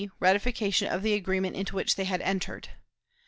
ratification of the agreement into which they had entered.